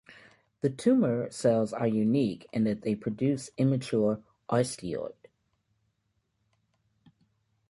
The tumour cells are unique in that they produce immature osteoid.